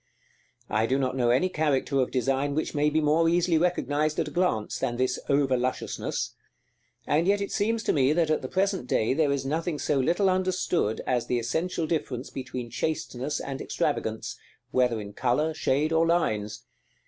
I do not know any character of design which may be more easily recognized at a glance than this over lusciousness; and yet it seems to me that at the present day there is nothing so little understood as the essential difference between chasteness and extravagance, whether in color, shade, or lines.